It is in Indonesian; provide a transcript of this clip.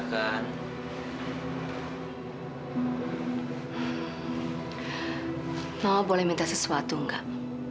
semuanya dikeluar kebanyakan